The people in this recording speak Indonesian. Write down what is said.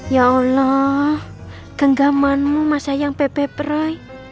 ya allah genggamanmu mas sayang pepe p'roy